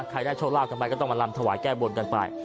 ได้โชคลาภกันไปก็ต้องมาลำถวายแก้บนกันไป